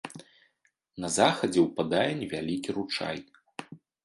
На захадзе ўпадае невялікі ручай.